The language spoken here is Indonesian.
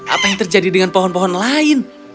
apa yang terjadi dengan pohon pohon lain